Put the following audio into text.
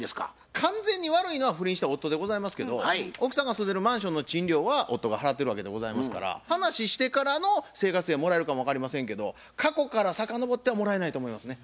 完全に悪いのは不倫した夫でございますけど奥さんが住んでるマンションの賃料は夫が払ってるわけでございますから話ししてからの生活費はもらえるかも分かりませんけど過去から遡ってはもらえないと思いますね。